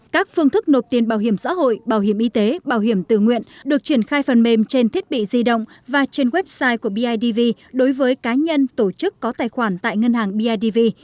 các phương thức nộp tiền bảo hiểm xã hội bảo hiểm y tế bảo hiểm tự nguyện được triển khai phần mềm trên thiết bị di động và trên website của bidv đối với cá nhân tổ chức có tài khoản tại ngân hàng bidv